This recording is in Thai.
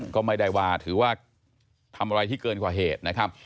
ก็ไม่ได้ว่าถือว่าทำอะไรที่เกินกว่าเหตุนะครับ